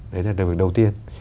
đấy là điều đầu tiên